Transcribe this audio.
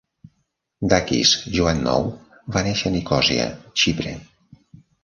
Dakis Joannou va néixer a Nicosia, Xipre.